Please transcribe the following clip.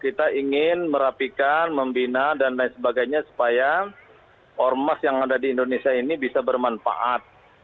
kita ingin merapikan membina dan lain sebagainya supaya ormas yang ada di indonesia ini bisa bermanfaat